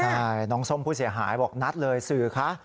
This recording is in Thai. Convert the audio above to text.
ใช่น้องส้มผู้เสียหายบอกนัดเลยสื่อคะ